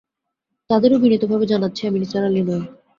তাঁদেরকেও বিনীত ভাবে জানাচ্ছি- আমি নিসার আলি নই।